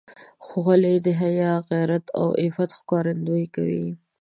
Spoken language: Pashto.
خولۍ د حیا، غیرت او عفت ښکارندویي کوي.